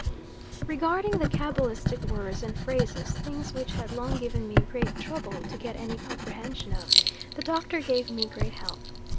Regarding the cabalistic words and phrases, things which had long given me great trouble to get any comprehension of, the Doctor gave me great help.